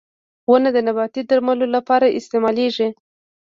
• ونه د نباتي درملو لپاره استعمالېږي.